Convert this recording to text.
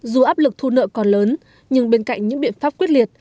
dù áp lực thu nợ còn lớn nhưng bên cạnh những biện pháp quyết liệt